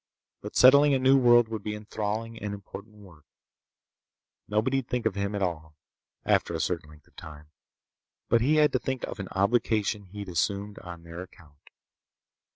But settling a new world would be enthralling and important work. Nobody'd think of him at all, after a certain length of time. But he had to think of an obligation he'd assumed on their account.